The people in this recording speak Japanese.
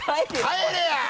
帰れや！